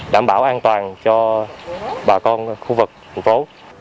đảm bảo an toàn cho bà con khu vực thành phố